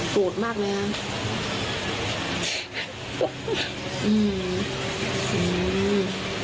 โปรดมากเลยนะครับ